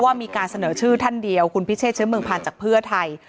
มีการเสนอชื่อท่านเดียวคุณพิเชษเชื้อเมืองผ่านจากเพื่อไทย